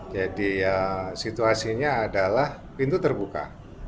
jadi situasinya adalah pintu terbuka